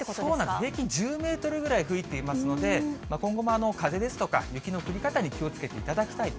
平均１０メートルぐらい吹いていますので、今後も風ですとか、雪の降り方に気をつけていただきたいと。